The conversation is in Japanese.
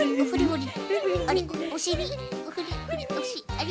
あれ？